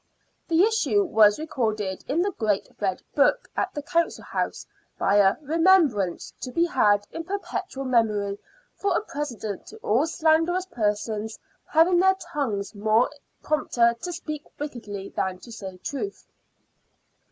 The issue was recorded in the Great Red Book at the Council House by a " Remembrance, to be had in perpetual memory for a president to all slanderous persons having their tongues more prompter to speak wickedly than to say truth."